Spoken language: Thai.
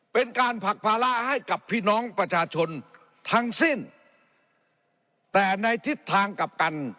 เป็นการผลักภาระให้กับพี่น้องประชาชนทั้งสิ้นแต่ในทิศทางกับกัน